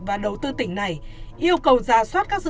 và đầu tư tỉnh này yêu cầu ra soát các dự án